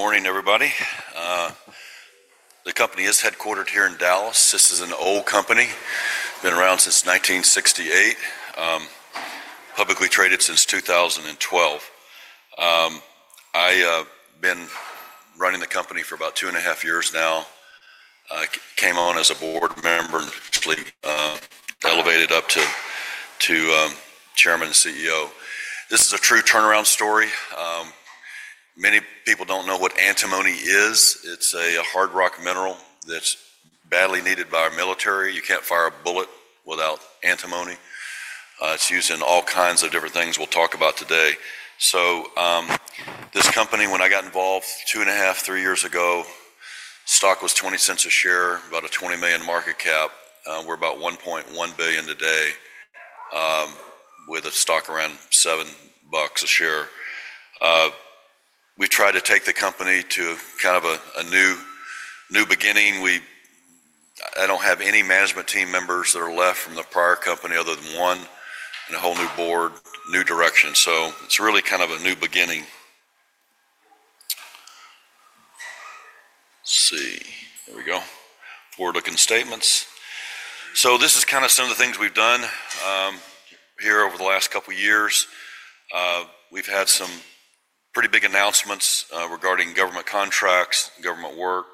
Good morning, everybody. The company is headquartered here in Dallas. This is an old company. Been around since 1968, publicly traded since 2012. I have been running the company for about 2.5 years now. I came on as a board member and eventually elevated up to Chairman and CEO. This is a true turnaround story. Many people don't know what antimony is. It's a hard rock mineral that's badly needed by our military. You can't fire a bullet without antimony. It's used in all kinds of different things we'll talk about today. This company, when I got involved two and a half, three years ago, stock was $0.20 a share, about a $20 million Market Cap. We're about $1.1 billion today, with a stock around $7 a share. We tried to take the company to kind of a new, new beginning. We—I don't have any management team members that are left from the prior company other than one and a whole new board, new direction. It is really kind of a new beginning. Let's see. There we go. Forward-looking statements. This is kind of some of the things we've done here over the last couple of years. We've had some pretty big announcements regarding government contracts, government work.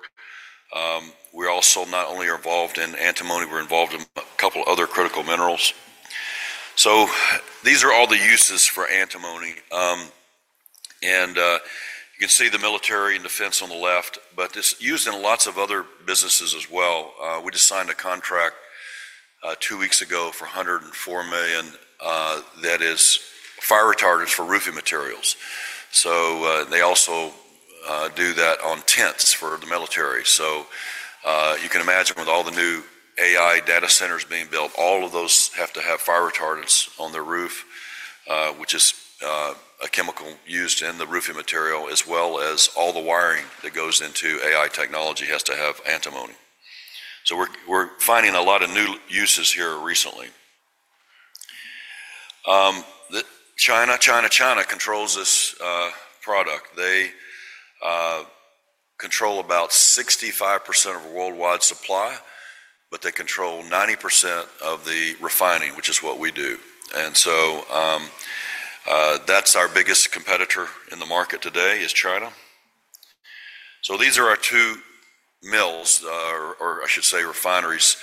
We also not only are involved in antimony, we're involved in a couple of other critical minerals. These are all the uses for antimony, and you can see the military and defense on the left, but this is used in lots of other businesses as well. We just signed a contract two weeks ago for $104 million that is fire retardants for roofing materials. They also do that on tents for the military. You can imagine with all the new AI data centers being built, all of those have to have fire retardants on their roof, which is a chemical used in the roofing material, as well as all the wiring that goes into AI technology has to have antimony. We're finding a lot of new uses here recently. China controls this product. They control about 65% of worldwide supply, but they control 90% of the refining, which is what we do. That's our biggest competitor in the market today, China. These are our two mills, or I should say refineries,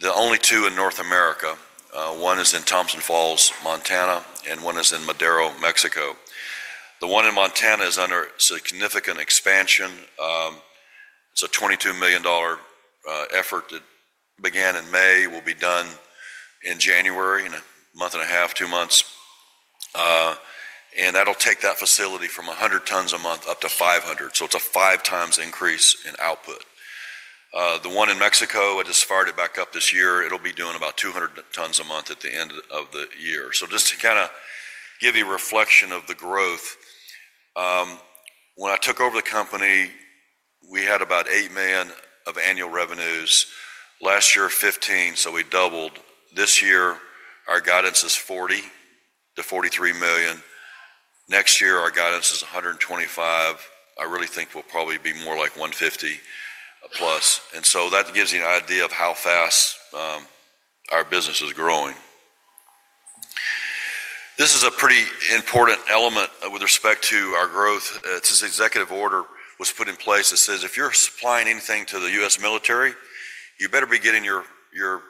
the only two in North America. One is in Thompson Falls, Montana, and one is in Madero, Mexico. The one in Montana is under significant expansion. It's a $22 million effort that began in May, will be done in January, in a month and a half, two months. That'll take that facility from 100 tons a month up to 500 tons. It's a five times increase in output. The one in Mexico, I just fired it back up this year. It'll be doing about 200 tons a month at the end of the year. Just to kind of give you a reflection of the growth, when I took over the company, we had about $8 million of annual revenues. Last year, $15 million, so we doubled. This year, our guidance is $40 million-$43 million. Next year, our guidance is $125 million. I really think we'll probably be more like $150 million plus. That gives you an idea of how fast our business is growing. This is a pretty important element with respect to our growth. It's this executive order that was put in place that says if you're supplying anything to the U.S. military, you better be getting your, your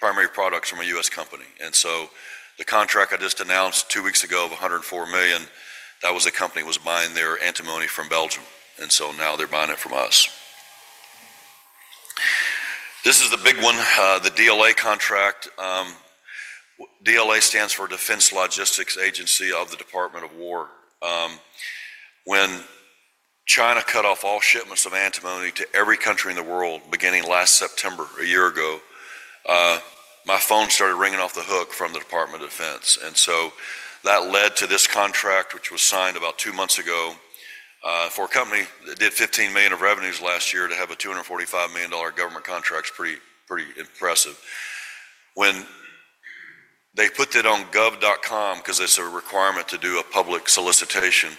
primary products from a U.S. company. The contract I just announced two weeks ago of $104 million, that was a company that was buying their antimony from Belgium. Now they're buying it from us. This is the big one, the DLA contract. DLA stands for Defense Logistics Agency of the Department of Defense. When China cut off all shipments of antimony to every country in the world beginning last September, a year ago, my phone started ringing off the hook from the Department of Defense. That led to this contract, which was signed about two months ago, for a company that did $15 million of revenues last year to have a $245 million government contract. It's pretty, pretty impressive. When they put that on gov.com, because it's a requirement to do a public solicitation,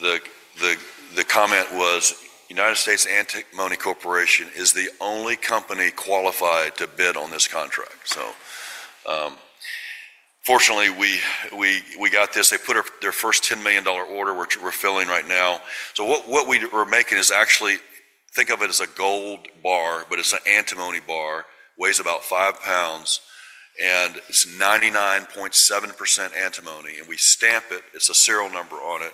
the comment was, "United States Antimony Corporation is the only company qualified to bid on this contract." Fortunately, we got this. They put their first $10 million order, which we're filling right now. What we were making is actually, think of it as a gold bar, but it's an antimony bar, weighs about 5 lbs, and it's 99.7% antimony. We stamp it, it's a serial number on it,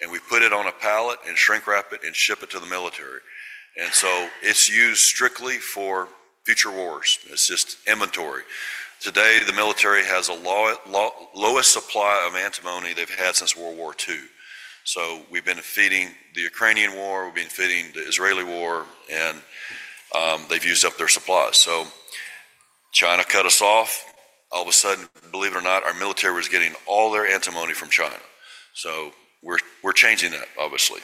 and we put it on a pallet and shrink wrap it and ship it to the military. It is used strictly for future wars. It is just inventory. Today, the military has a low, low, lowest supply of antimony they have had since World War II. We have been feeding the Ukrainian war, we have been feeding the Israeli war, and they have used up their supplies. China cut us off. All of a sudden, believe it or not, our military was getting all their antimony from China. We are changing that, obviously.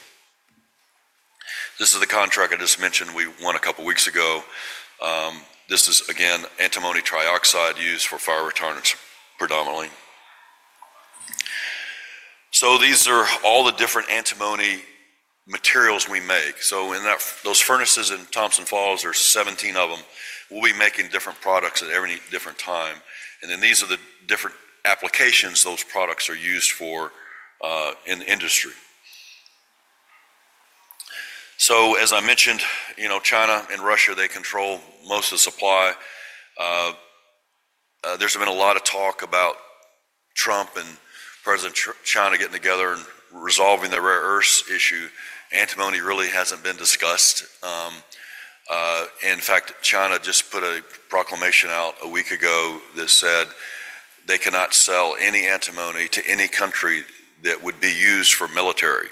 This is the contract I just mentioned we won a couple of weeks ago. This is, again, antimony trioxide used for fire retardants predominantly. These are all the different antimony materials we make. In those furnaces in Thompson Falls, there are 17 of them. We will be making different products at every different time. These are the different applications those products are used for in the industry. As I mentioned, you know, China and Russia, they control most of the supply. There's been a lot of talk about Trump and President Trump, China getting together and resolving the rare earths issue. Antimony really hasn't been discussed. In fact, China just put a proclamation out a week ago that said they cannot sell any antimony to any country that would be used for military.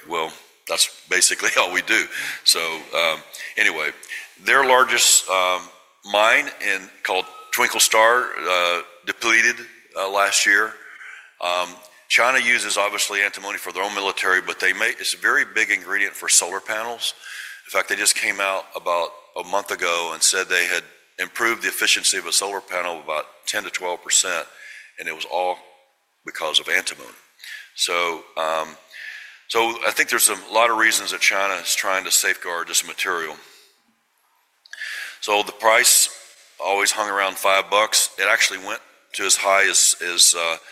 That's basically all we do. Anyway, their largest mine, called Twinkling Star, depleted last year. China uses obviously antimony for their own military, but they make, it's a very big ingredient for solar panels. In fact, they just came out about a month ago and said they had improved the efficiency of a solar panel about 10%-12%, and it was all because of antimony. I think there's a lot of reasons that China is trying to safeguard this material. The price always hung around $5. It actually went to as high as $30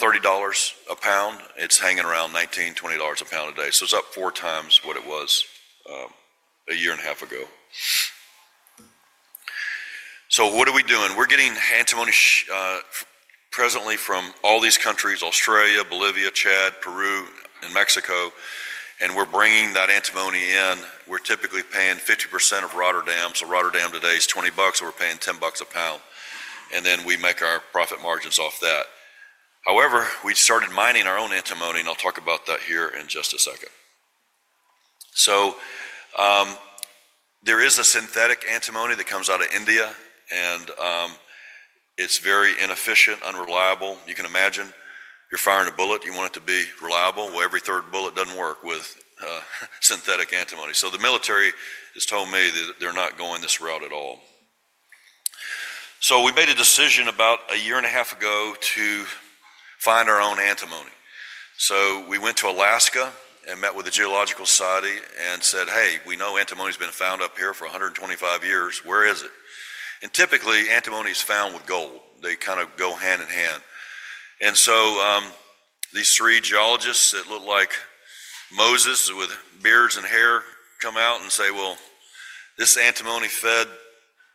a lb. It's hanging around $19-$20 a lb today. It's up four times what it was a year and a half ago. What are we doing? We're getting antimony presently from all these countries, Australia, Bolivia, Chad, Peru, and Mexico, and we're bringing that antimony in. We're typically paying 50% of Rotterdam. Rotterdam today is $20, so we're paying $10 a. Then we make our profit margins off that. However, we started mining our own antimony, and I'll talk about that here in just a second. There is a synthetic antimony that comes out of India, and it's very inefficient, unreliable. You can imagine you're firing a bullet, you want it to be reliable. Every third bullet doesn't work with synthetic antimony. The military has told me that they're not going this route at all. We made a decision about a year and a half ago to find our own antimony. We went to Alaska and met with the Geological Society and said, "Hey, we know antimony has been found up here for 125 years. Where is it?" Typically, antimony is found with gold. They kind of go hand in hand. These three geologists that look like Moses with beards and hair come out and say, "Well, this antimony fed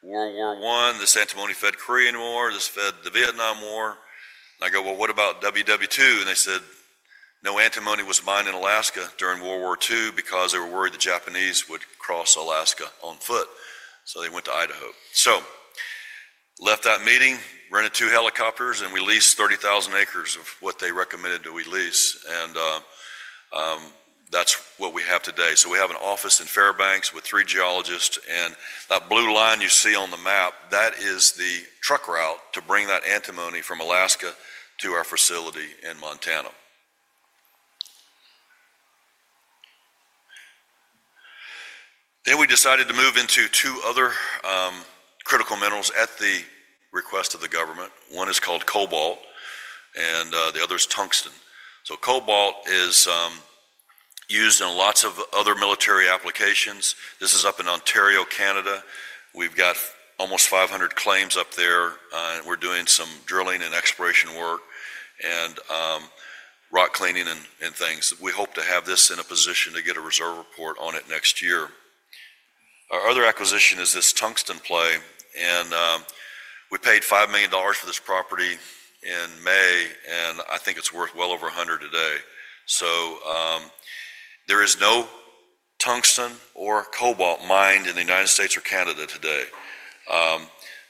World War I, this antimony fed Korean War, this fed the Vietnam War." I go, "What about World War II?" They said, "No, antimony was mined in Alaska during World War II because they were worried the Japanese would cross Alaska on foot." They went to Idaho. I left that meeting, rented two helicopters, and we leased 30,000 acres of what they recommended that we lease. That is what we have today. We have an office in Fairbanks with three geologists. That blue line you see on the map, that is the truck route to bring that antimony from Alaska to our facility in Montana. We decided to move into two other critical minerals at the request of the government. One is called cobalt, and the other is tungsten. Cobalt is used in lots of other military applications. This is up in Ontario, Canada. We've got almost 500 claims up there, and we're doing some drilling and exploration work and rock cleaning and things. We hope to have this in a position to get a reserve report on it next year. Our other acquisition is this tungsten play, and we paid $5 million for this property in May, and I think it's worth well over $100 million today. There is no tungsten or cobalt mined in the United States or Canada today.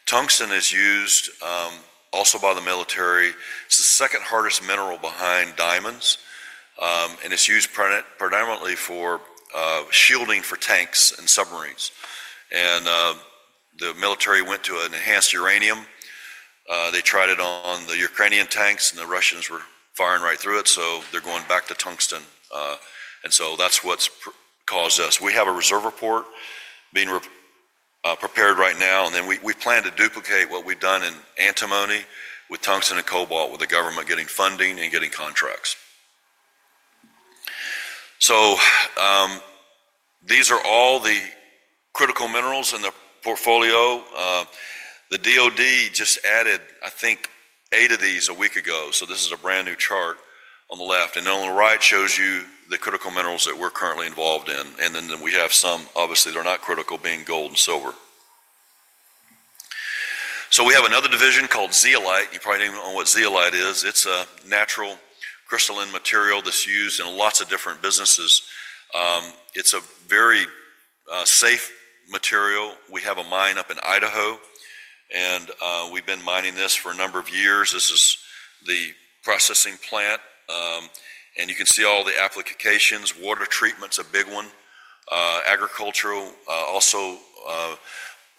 Tungsten is used also by the military. It's the second hardest mineral behind diamonds, and it's used predominantly for shielding for tanks and submarines. The military went to an enhanced uranium. They tried it on the Ukrainian tanks, and the Russians were firing right through it, so they're going back to tungsten. That's what's caused us. We have a reserve report being prepared right now, and we plan to duplicate what we've done in antimony with tungsten and cobalt with the government getting funding and getting contracts. These are all the critical minerals in the portfolio. The DOD just added, I think, eight of these a week ago. This is a brand new chart on the left. On the right shows you the critical minerals that we're currently involved in. We have some, obviously, that are not critical, being gold and silver. We have another division called zeolite. You probably don't even know what zeolite is. It's a natural crystalline material that's used in lots of different businesses. It's a very safe material. We have a mine up in Idaho, and we've been mining this for a number of years. This is the processing plant. You can see all the applications. Water treatment's a big one, agricultural also.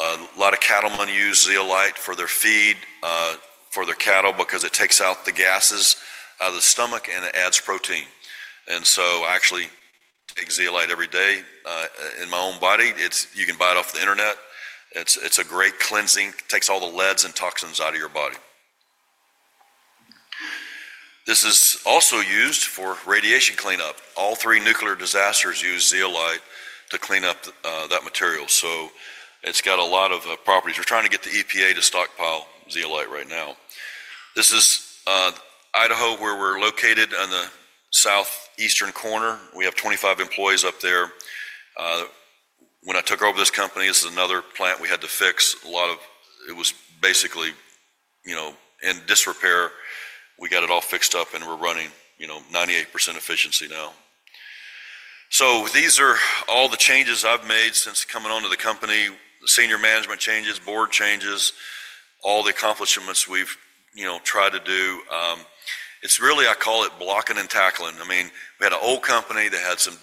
A lot of cattlemen use zeolite for their feed, for their cattle because it takes out the gases out of the stomach and it adds protein. I actually take zeolite every day, in my own body. You can buy it off the internet. It's a great cleansing, takes all the leads and toxins out of your body. This is also used for radiation cleanup. All three nuclear disasters use zeolite to clean up that material. It's got a lot of properties. We're trying to get the EPA to stockpile zeolite right now. This is Idaho where we're located on the southeastern corner. We have 25 employees up there. When I took over this company, this is another plant we had to fix a lot of, it was basically, you know, in disrepair. We got it all fixed up and we're running, you know, 98% efficiency now. These are all the changes I've made since coming on to the company, senior management changes, board changes, all the accomplishments we've, you know, tried to do. I call it blocking and tackling. I mean, we had an old company that had some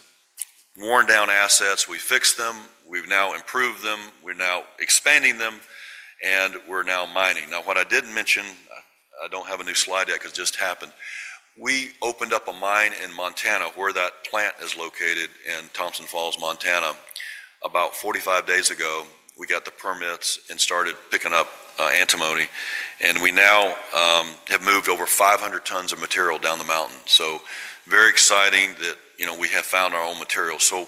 worn down assets. We fixed them. We've now improved them. We're now expanding them and we're now mining. What I didn't mention, I don't have a new slide yet. It just happened. We opened up a mine in Montana where that plant is located in Thompson Falls, Montana, about 45 days ago. We got the permits and started picking up antimony. And we now have moved over 500 tons of material down the mountain. So very exciting that, you know, we have found our own material. So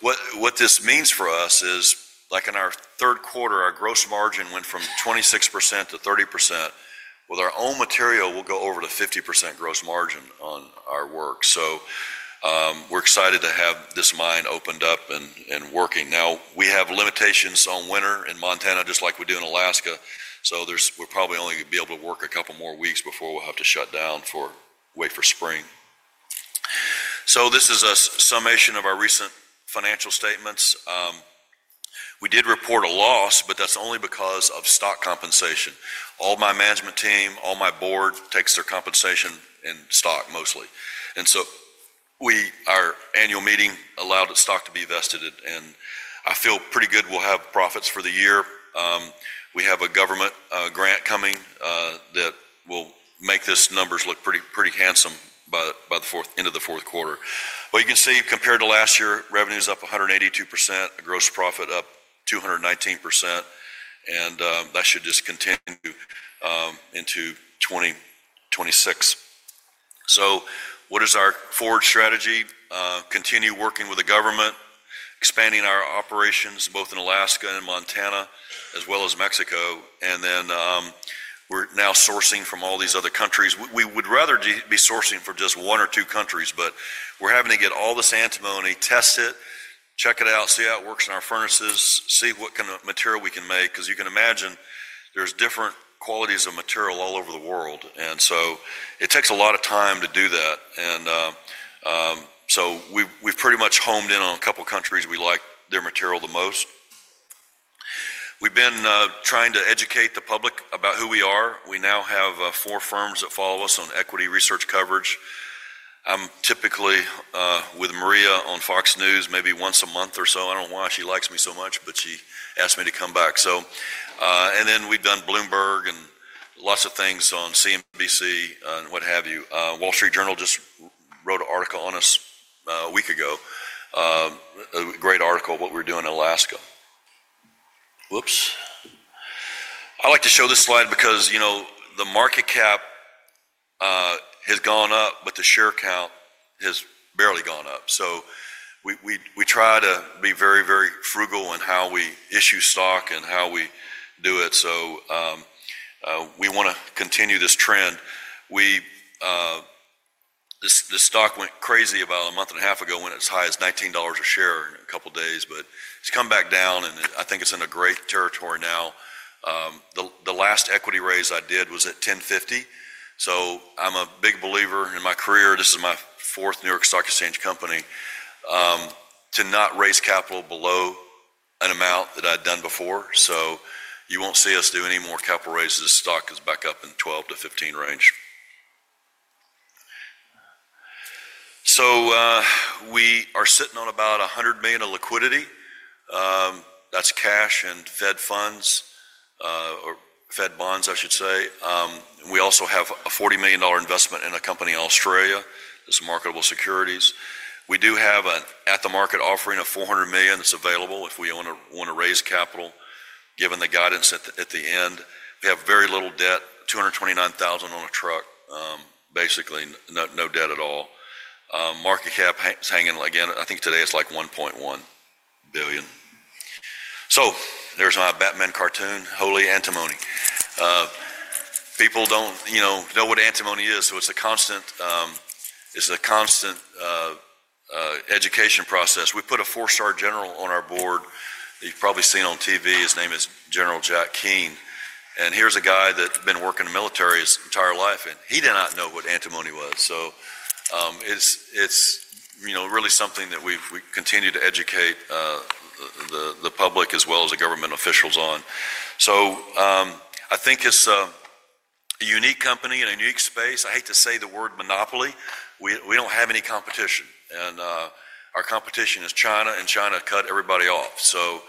what this means for us is, like in our third quarter, our gross margin went from 26%-30%. With our own material, we'll go over to 50% gross margin on our work. So, we're excited to have this mine opened up and working. Now, we have limitations on winter in Montana, just like we do in Alaska. So there's, we're probably only going to be able to work a couple more weeks before we'll have to shut down for, wait for spring. So this is a summation of our recent financial statements. We did report a loss, but that's only because of stock compensation. All my management team, all my board takes their compensation in stock mostly. We, our annual meeting allowed the stock to be vested, and I feel pretty good we'll have profits for the year. We have a government grant coming that will make these numbers look pretty, pretty handsome by the end of the fourth quarter. You can see compared to last year, revenue is up 182%, gross profit up 219%, and that should just continue into 2026. What is our forward strategy? Continue working with the government, expanding our operations both in Alaska and Montana, as well as Mexico. We are now sourcing from all these other countries. We would rather be sourcing for just one or two countries, but we're having to get all this antimony, test it, check it out, see how it works in our furnaces, see what kind of material we can make. You can imagine there's different qualities of material all over the world. It takes a lot of time to do that. We've pretty much honed in on a couple of countries we like their material the most. We've been trying to educate the public about who we are. We now have four firms that follow us on equity research coverage. I'm typically with Maria on Fox News maybe once a month or so. I don't know why she likes me so much, but she asked me to come back. We've done Bloomberg and lots of things on CNBC and what have you. Wall Street Journal just wrote an article on us a week ago. A great article of what we're doing in Alaska. I like to show this slide because, you know, the Market Cap has gone up, but the share count has barely gone up. We try to be very, very frugal in how we issue stock and how we do it. We want to continue this trend. This stock went crazy about a month and a half ago when it was as high as $19 a share in a couple of days, but it has come back down and I think it is in a great territory now. The last equity raise I did was at $10.50. I am a big believer in my career. This is my fourth New York Stock Exchange company, to not raise capital below an amount that I had done before. You won't see us do any more capital raises. The stock is back up in the $12-$15 range. We are sitting on about $100 million of liquidity. That's cash and Fed funds, or Fed bonds, I should say. We also have a $40 million investment in a company in Australia that's marketable securities. We do have an at the market offering of $400 million that's available if we want to raise capital, given the guidance at the end. We have very little debt, $229,000 on a truck, basically no debt at all. Market Cap is hanging again. I think today it's like $1.1 billion. There's my Batman cartoon, Holy Antimony. People don't, you know, know what antimony is. It's a constant, it's a constant education process. We put a four-star general on our board. You've probably seen on TV. His name is General Jack Keane. And here's a guy that's been working in the military his entire life, and he did not know what antimony was. So, it's, it's, you know, really something that we continue to educate, the public as well as the government officials on. So, I think it's a unique company in a unique space. I hate to say the word monopoly. We don't have any competition. And, our competition is China, and China cut everybody off. So,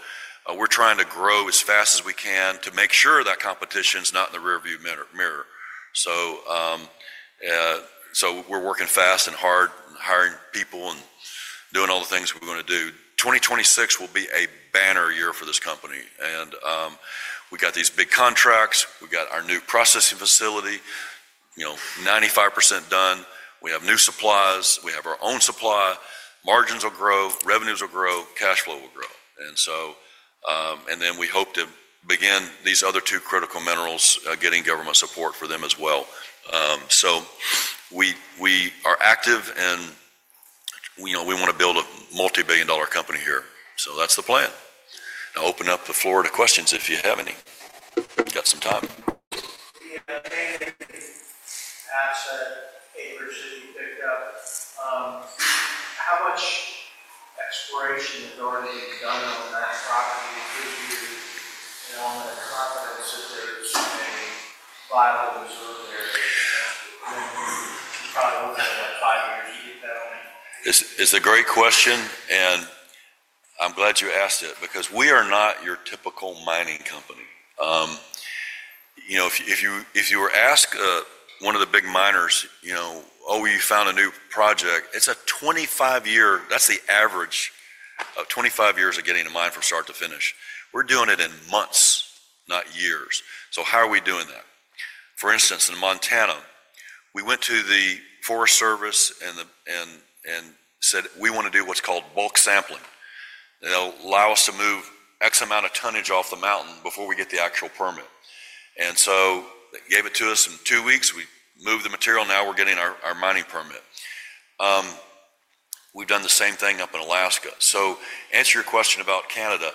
we're trying to grow as fast as we can to make sure that competition's not in the rearview mirror. So, we're working fast and hard, hiring people and doing all the things we're going to do. 2026 will be a banner year for this company. And, we got these big contracts. We got our new processing facility, you know, 95% done. We have new supplies. We have our own supply. Margins will grow. Revenues will grow. Cash flow will grow. And then we hope to begin these other two critical minerals, getting government support for them as well. We are active and, you know, we want to build a multi-billion dollar company here. That's the plan. I'll open up the floor to questions if you have any. Got some time. Yeah. Ask that papers that you picked up, how much exploration has already been done on that property? Could you know the confidence that there's a viable reserve there? You probably look at it in five years. You get that only. It's a great question, and I'm glad you asked it because we are not your typical mining company. You know, if you were asked, one of the big miners, you know, oh, you found a new project, it's a 25 year, that's the average of 25 years of getting a mine from start to finish. We're doing it in months, not years. How are we doing that? For instance, in Montana, we went to the Forest Service and said we want to do what's called bulk sampling. They'll allow us to move X amount of tonnage off the mountain before we get the actual permit. They gave it to us in two weeks. We moved the material. Now we're getting our mining permit. We've done the same thing up in Alaska. To answer your question about Canada,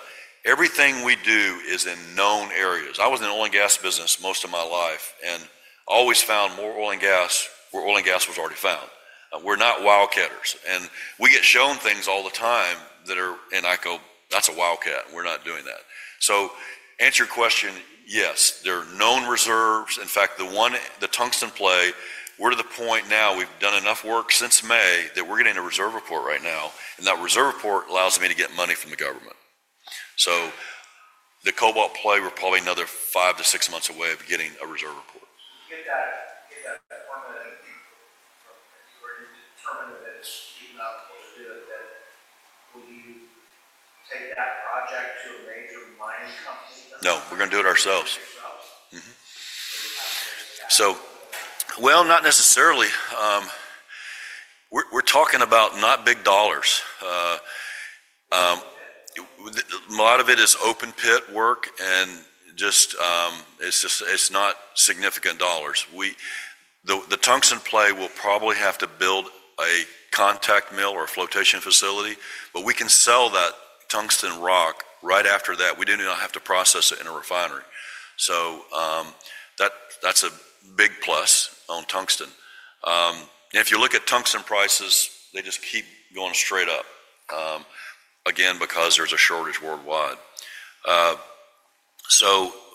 everything we do is in known areas. I was in the oil and gas business most of my life and always found more oil and gas where oil and gas was already found. We're not wildcatters. We get shown things all the time that are, and I go, that's a wildcat. We're not doing that. To answer your question, yes, there are known reserves. In fact, the one, the tungsten play, we're to the point now we've done enough work since May that we're getting a reserve report right now. That reserve report allows me to get money from the government. The cobalt play, we're probably another five to six months away of getting a reserve report. Get that, get that formula that you've put in from, and you were determined that it's deep enough to do it, then will you take that project to a major mining company? No, we're going to do it ourselves. Mm-hmm. Not necessarily. We're talking about not big dollars. A lot of it is open pit work and it's just not significant dollars. The tungsten play will probably have to build a contact mill or a flotation facility, but we can sell that tungsten rock right after that. We didn't even have to process it in a refinery. That's a big plus on tungsten. If you look at tungsten prices, they just keep going straight up, again, because there's a shortage worldwide.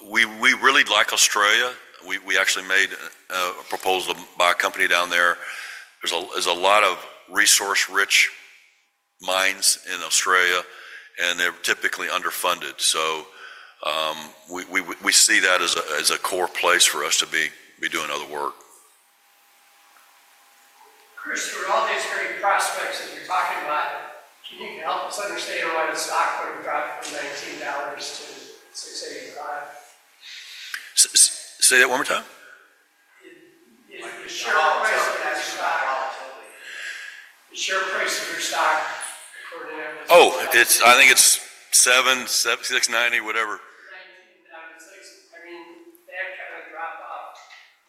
We really like Australia. We actually made a proposal by a company down there. There's a lot of resource-rich mines in Australia and they're typically underfunded. We see that as a core place for us to be doing other work. Chris, you were always hearing prospects as you're talking about, can you help us understand why the stock would have dropped from $19-$6.85? Say that one more time. The share price of that stock volatility. The share price of your stock according to everything. Oh, it's, I think it's seven, six, 90, whatever. 19.6. I mean, that kind of drop off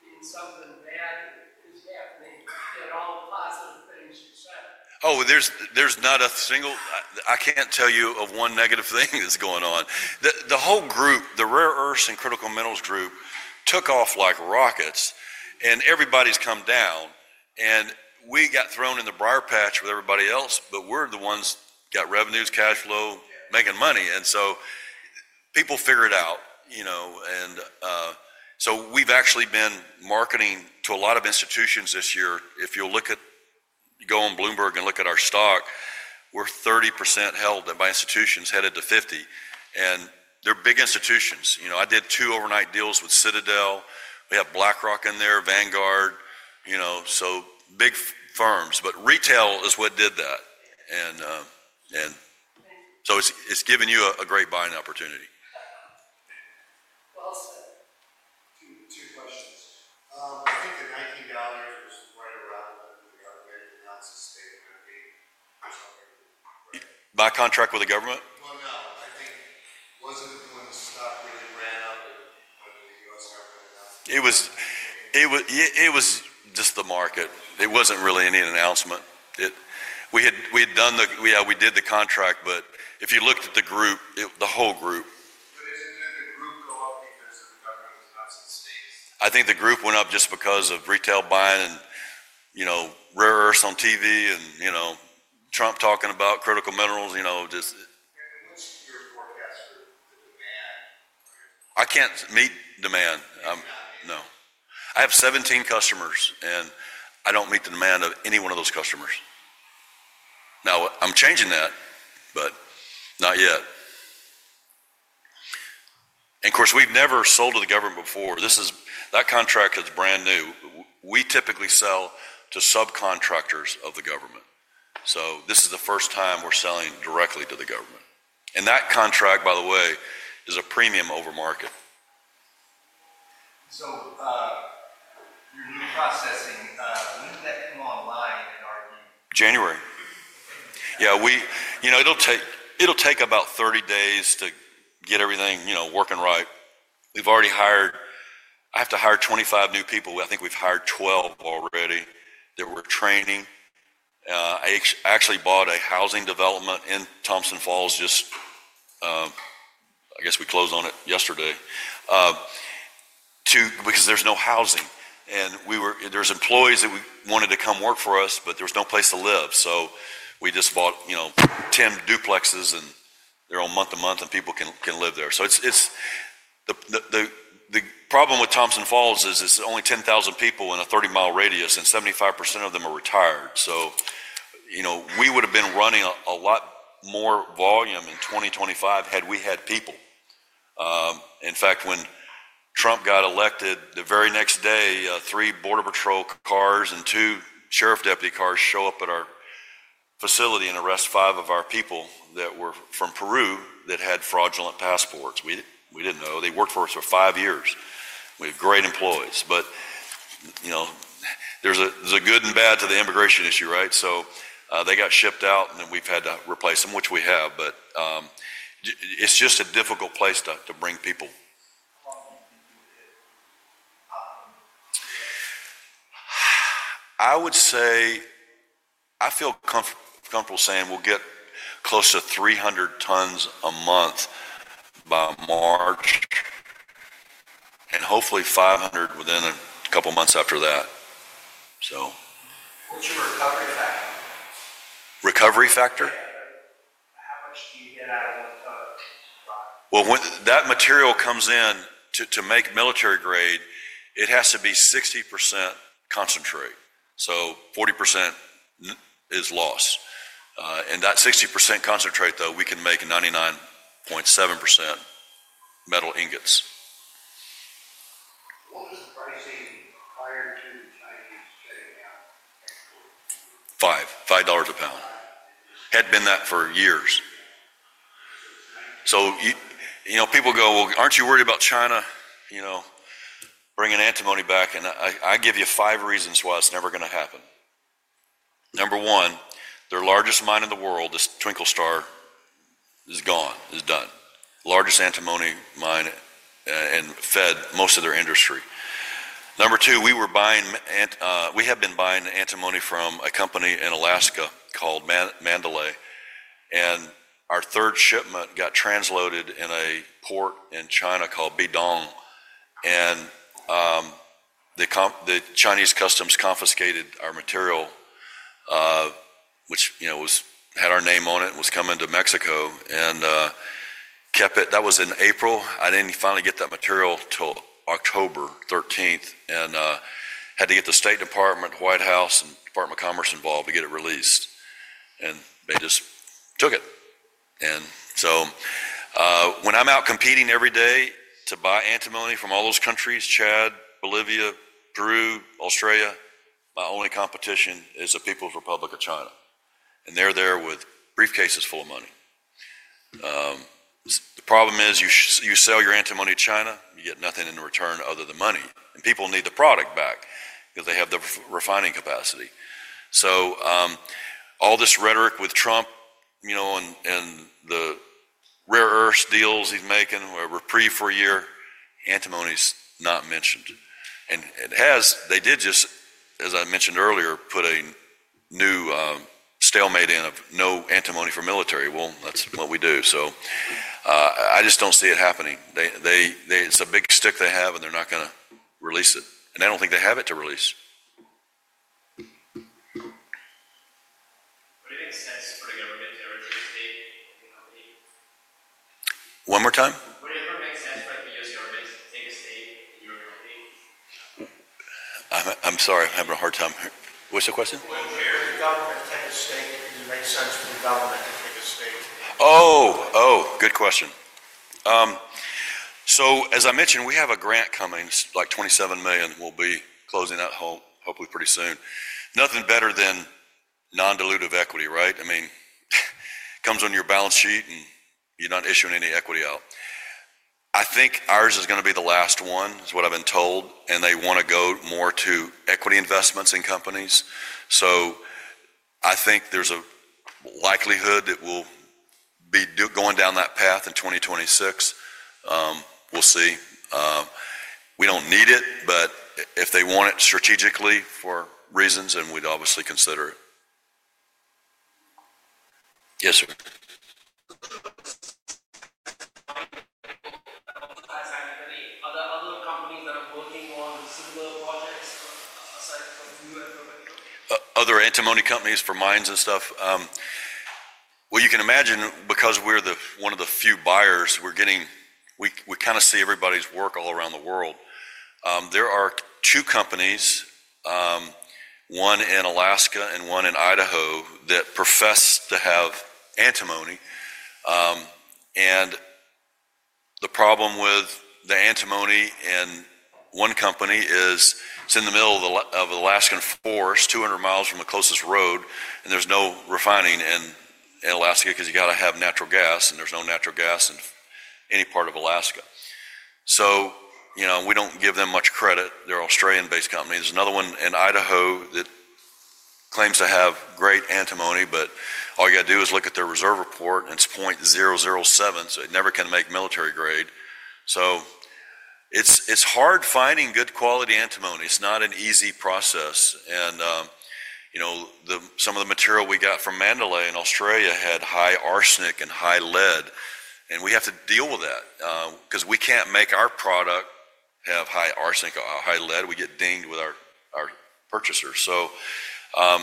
in something bad is happening in all the positive things you said. Oh, there's, there's not a single, I can't tell you of one negative thing that's going on. The whole group, the rare earths and critical minerals group took off like rockets and everybody's come down and we got thrown in the briar patch with everybody else, but we're the ones got revenues, cash flow, making money. People figure it out, you know, and so we've actually been marketing to a lot of institutions this year. If you'll look at, go on Bloomberg and look at our stock, we're 30% held by institutions headed to 50%. And they're big institutions. You know, I did two overnight deals with Citadel. We have BlackRock in there, Vanguard, you know, so big firms, but retail is what did that. It's given you a great buying opportunity. Two questions. I think the $19 was right around when we got ready to announce the statement of the contract with the government. No, I think wasn't it when the stock really ran up and when the U.S. government announced it? It was just the market. It wasn't really any announcement. We had done the, yeah, we did the contract, but if you looked at the group, the whole group. Isn't it the group go up because of the government announcing states? I think the group went up just because of retail buying and, you know, rare earths on TV and, you know, Trump talking about critical minerals, you know, just. What's your forecast for the demand? I can't meet demand. I'm not. No. I have 17 customers and I don't meet the demand of any one of those customers. Now I'm changing that, but not yet. Of course, we've never sold to the government before. This is that contract is brand new. We typically sell to subcontractors of the government. This is the first time we're selling directly to the government. That contract, by the way, is a premium over market. Your new processing, when did that come online in our? January. Yeah. We, you know, it'll take about 30 days to get everything, you know, working right. We've already hired, I have to hire 25 new people. I think we've hired 12 people already that we're training. I actually bought a housing development in Thompson Falls just, I guess we closed on it yesterday, to, because there's no housing. And we were, there's employees that we wanted to come work for us, but there's no place to live. We just bought, you know, 10 duplexes and they're on month to month and people can, can live there. It's the problem with Thompson Falls is it's only 10,000 people in a 30-mile radius and 75% of them are retired. You know, we would have been running a lot more volume in 2025 had we had people. In fact, when Trump got elected the very next day, three border patrol cars and two sheriff deputy cars show up at our facility and arrest five of our people that were from Peru that had fraudulent passports. We didn't know. They worked for us for five years. We have great employees, but, you know, there's a good and bad to the immigration issue, right? They got shipped out and then we've had to replace them, which we have, but it's just a difficult place to bring people. I would say I feel comfortable saying we'll get close to 300 tons a month by March and hopefully 500 within a couple of months after that. What's your recovery factor? Recovery factor? How much do you get out of what? When that material comes in to make military grade, it has to be 60% concentrate. So 40% is loss. That 60% concentrate, though, we can make 99.7% metal ingots. What was the pricing prior to the Chinese shutting down? $5 a lb. Had been that for years. You know, people go, aren't you worried about China, you know, bringing antimony back? I give you five reasons why it's never going to happen. Number one, their largest mine in the world, this Twinkling Star, is gone, is done. Largest antimony mine, and fed most of their industry. Number two, we were buying, we have been buying antimony from a company in Alaska called Mandalay. Our third shipment got transloaded in a port in China called Dandong. The Chinese customs confiscated our material, which, you know, had our name on it and was coming to Mexico, and kept it. That was in April. I did not finally get that material till October 13th and had to get the State Department, White House, and Department of Commerce involved to get it released. They just took it. When I am out competing every day to buy antimony from all those countries, Chad, Bolivia, Peru, Australia, my only competition is the People's Republic of China. They are there with briefcases full of money. The problem is you sell your antimony to China, you get nothing in return other than money. People need the product back because they have the refining capacity. All this rhetoric with Trump, you know, and the rare earth deals he's making where we're pre-for a year, antimony's not mentioned. It has, they did just, as I mentioned earlier, put a new stalemate in of no antimony for military. That's what we do. I just don't see it happening. They, they, it's a big stick they have and they're not going to release it. I don't think they have it to release. Would it make sense for the government to take antimony? One more time? Would it ever make sense for the U.S. government to take a state in your company? I'm sorry, I'm having a hard time. What's the question? Would the government take a state? It makes sense for the government to take a state. Oh, good question. As I mentioned, we have a grant coming, like $27 million. We'll be closing that hole, hopefully pretty soon. Nothing better than non-dilutive equity, right? I mean, it comes on your balance sheet and you're not issuing any equity out. I think ours is going to be the last one, is what I've been told. They want to go more to equity investments in companies. I think there's a likelihood that we'll be going down that path in 2026. We'll see. We don't need it, but if they want it strategically for reasons, then we'd obviously consider it. Yes, sir. Other companies that are working on similar projects aside from you and from Other antimony companies for mines and stuff. You can imagine because we're one of the few buyers, we kind of see everybody's work all around the world. There are two companies, one in Alaska and one in Idaho that profess to have antimony. The problem with the antimony in one company is it's in the middle of the Alaskan forest, 200 miles from the closest road, and there's no refining in Alaska because you got to have natural gas and there's no natural gas in any part of Alaska. You know, we don't give them much credit. They're an Australian-based company. There's another one in Idaho that claims to have great antimony, but all you got to do is look at their reserve report and it's 0.007, so it never can make military grade. It's hard finding good quality antimony. It's not an easy process. You know, some of the material we got from Mandalay in Australia had high arsenic and high lead. We have to deal with that, because we can't make our product have high arsenic, high lead. We get dinged with our purchasers. I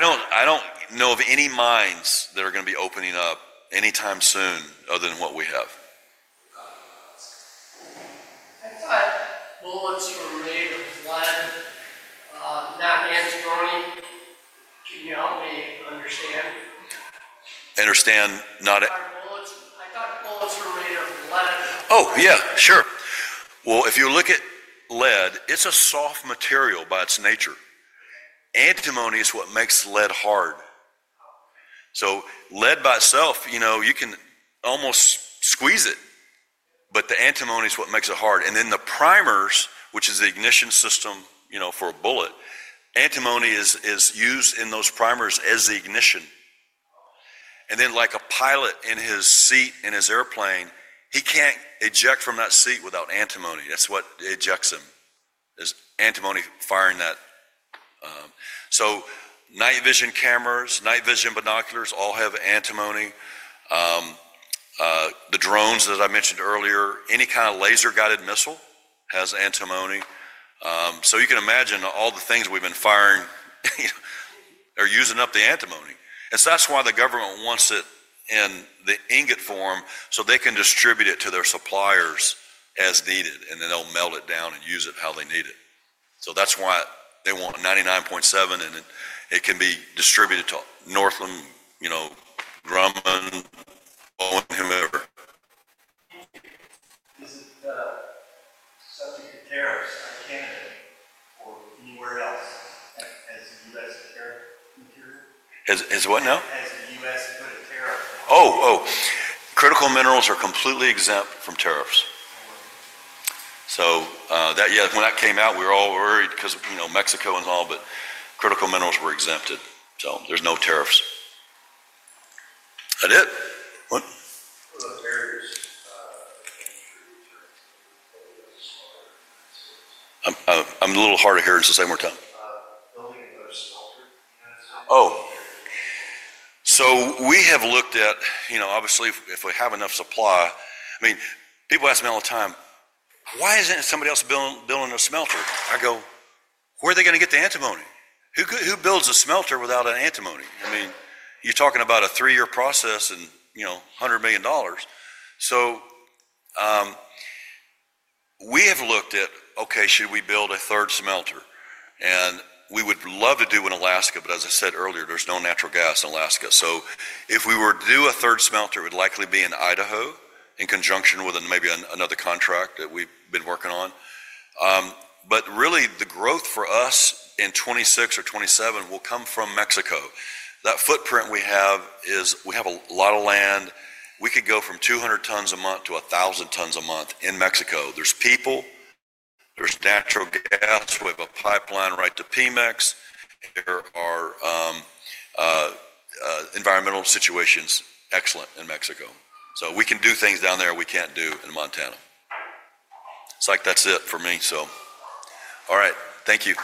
don't know of any mines that are going to be opening up anytime soon other than what we have. I thought bullets were made of lead, not antimony. Can you help me understand? Understand not. Are bullets, I thought bullets were made of lead. Oh, yeah, sure. If you look at lead, it's a soft material by its nature. Antimony is what makes lead hard. Lead by itself, you know, you can almost squeeze it, but the antimony is what makes it hard. The primers, which is the ignition system, you know, for a bullet, antimony is used in those primers as the ignition. Like a pilot in his seat in his airplane, he can't eject from that seat without antimony. That's what ejects him, is antimony firing that. Night vision cameras, night vision binoculars all have antimony. The drones that I mentioned earlier, any kind of laser-guided missile has antimony. You can imagine all the things we've been firing, you know, are using up the antimony. That is why the government wants it in the ingot form so they can distribute it to their suppliers as needed, and then they'll melt it down and use it how they need it. That is why they want 99.7, and it can be distributed to Northland, you know, Grumman, whoever. Is it subject to tariffs on Canada or anywhere else as the U.S. tariff material? As what now? Has the U.S. put a tariff? Oh, oh, critical minerals are completely exempt from tariffs. That, yeah, when that came out, we were all worried because, you know, Mexico and all, but critical minerals were exempted. There's no tariffs. That's it. What? What about barriers to the U.S.? I'm a little hard of hearing so say one more time. Building another smelter. Oh. We have looked at, you know, obviously if we have enough supply, I mean, people ask me all the time, why isn't somebody else building a smelter? I go, where are they going to get the antimony? Who builds a smelter without an antimony? I mean, you're talking about a three-year process and, you know, $100 million. We have looked at, okay, should we build a third smelter? We would love to do it in Alaska, but as I said earlier, there's no natural gas in Alaska. If we were to do a third smelter, it would likely be in Idaho in conjunction with maybe another contract that we've been working on. Really the growth for us in 2026 or 2027 will come from Mexico. That footprint we have is we have a lot of land. We could go from 200 tons a month to 1,000 tons a month in Mexico. There's people, there's natural gas, we have a pipeline right to Pemex. The environmental situation is excellent in Mexico. We can do things down there we can't do in Montana. That's it for me. All right. Thank you.